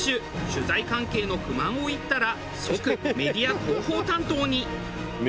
取材関係の不満を言ったら即メディア・広報担当に。